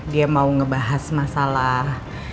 dia mau ngebahas masalah